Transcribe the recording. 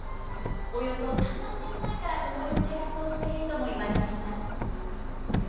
およそ３万年前から共に生活をしているともいわれています。